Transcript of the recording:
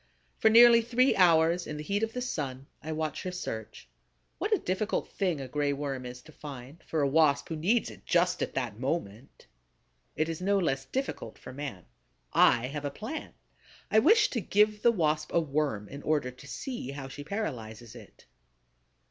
For nearly three hours, in the heat of the sun, I watch her search. What a difficult thing a Gray Worm is to find, for a Wasp who needs it just at that moment! It is no less difficult for man. I have a plan. I wish to give the Wasp a Worm in order to see how she paralyzes it.